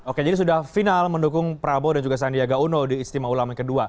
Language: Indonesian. oke jadi sudah final mendukung prabowo dan juga sandiaga uno di istimewa ulama kedua